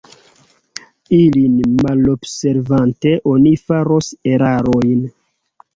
Ilin malobservante oni faros erarojn.